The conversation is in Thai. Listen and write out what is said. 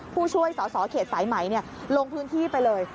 ผู้ช่วยสอสอเขตสายไหมลงพื้นที่ไปเลย